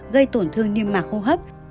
gây tổn thương niêm mạc hô hấp